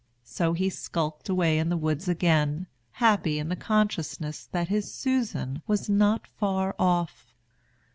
So he skulked away into the woods again, happy in the consciousness that his Susan was not far off.